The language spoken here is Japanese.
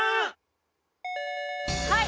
はい。